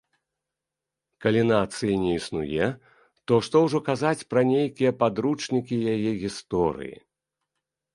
Калі нацыі не існуе, то што ўжо казаць пра нейкія падручнікі яе гісторыі?